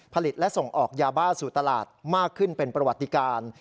ผลิตและส่งออกยาบ้าสู่ตลาดมากขึ้นเป็นประวัติการ